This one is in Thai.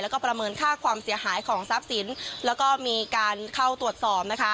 แล้วก็ประเมินค่าความเสียหายของทรัพย์สินแล้วก็มีการเข้าตรวจสอบนะคะ